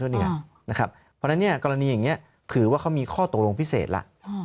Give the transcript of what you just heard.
เพราะฉะนั้นกรณีอย่างนี้ถือว่าเขามีข้อตกลงพิเศษแล้ว